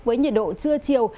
với nhiệt độ trưa chiều